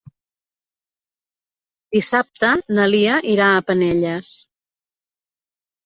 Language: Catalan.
Dissabte na Lia irà a Penelles.